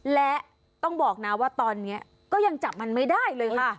และต้องบอกนะว่าตอนนี้ก็ยังจับมันไม่ได้เลยค่ะ